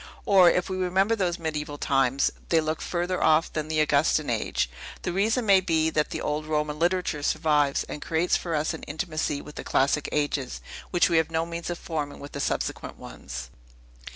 Or, if we remember these mediaeval times, they look further off than the Augustan age. The reason may be, that the old Roman literature survives, and creates for us an intimacy with the classic ages, which we have no means of forming with the subsequent ones.